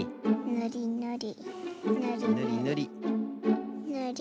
ぬりぬり。